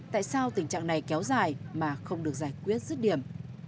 tại sao tình trạng này kéo dài mà không được giải quyết rứt điểm